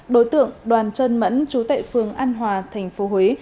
đối tượng đoàn trân mẫn chú tệ phương an hòa tp huế